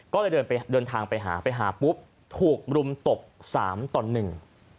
ก็เลยเดินทางไปหาไปหาปุ๊บถูกรุมตก๓ตอนหนึ่ง